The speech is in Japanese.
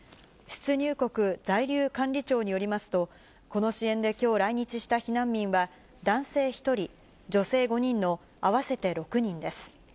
出入国在留管理庁によりますと、この支援できょう来日した避難民は、男性１人、女性５人の合わせて６人です。